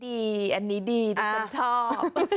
ดีอันนี้ดีที่ฉันชอบ